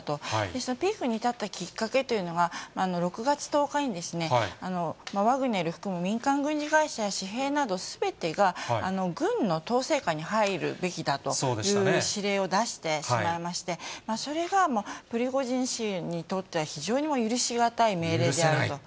そのピークに至ったきっかけというのが、６月１０日にワグネル含む民間軍事会社やしへいなど、すべてが軍の統制下に入るべきだという指令を出してしまいまして、それがプリゴジン氏にとっては非常に許しがたい命令であると。